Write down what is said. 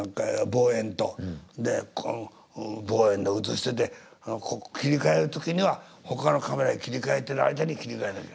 で望遠で映してて切り替える時にはほかのカメラに切り替えてる間に切り替えなきゃ。